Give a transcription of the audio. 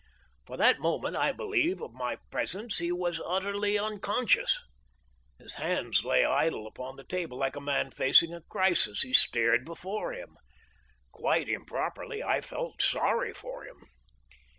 For the moment I believe of my presence he was utterly unconscious. His hands lay idle upon the table; like a man facing a crisis, he stared before him. Quite improperly, I felt sorry for him.